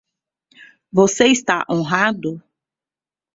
Você está honrado?